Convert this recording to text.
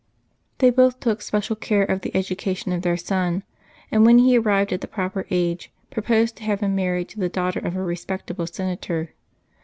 They both took special care of the education of their son, and, when he arrived at a proper age, proposed to have him married to the daughter of a respectable senator.